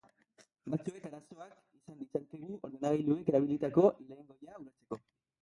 Batzuek arazoak izan ditzakegu ordenagailuek erabilitako lengoaia ulertzeko.